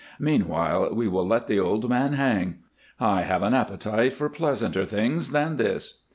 Meanwhile we will let the old man hang. I have an appetite for pleasanter things than this."